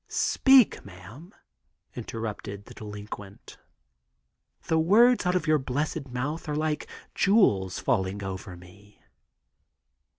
"Speak, ma'am," interrupted the delinquent; "the words out of your blessed mouth are like jewels falling over me."